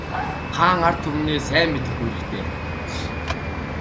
Хаан ард түмнээ сайн мэдэх үүрэгтэй.